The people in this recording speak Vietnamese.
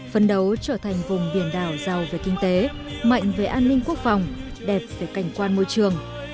phấn đấu trở thành vùng biển đảo giàu về kinh tế mạnh về an ninh quốc phòng đẹp về cảnh quan môi trường